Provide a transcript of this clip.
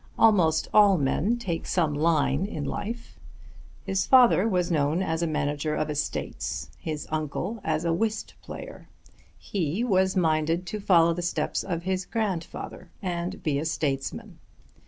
Almost all men take to some line in life. His father was known as a manager of estates; his uncle as a whist player; he was minded to follow the steps of his grandfather and be a statesman.